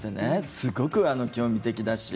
すごく興味的だし。